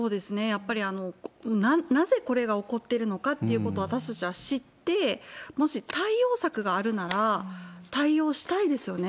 やっぱりなぜこれが起こってるのかっていうことを私たちは知って、もし対応策があるなら、対応したいですよね。